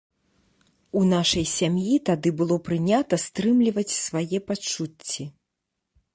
У нашай сям'і тады было прынята стрымліваць свае пачуцці.